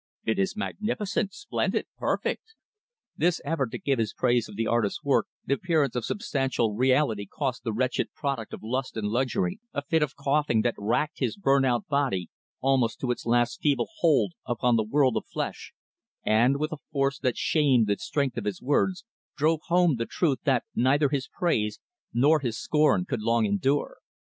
"It is magnificent, splendid, perfect!" This effort to give his praise of the artist's work the appearance of substantial reality cost the wretched product of lust and luxury a fit of coughing that racked his burnt out body almost to its last feeble hold upon the world of flesh and, with a force that shamed the strength of his words, drove home the truth that neither his praise nor his scorn could long endure.